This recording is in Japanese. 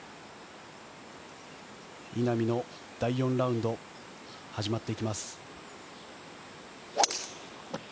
稲見の第４ラウンド、始まっていきます。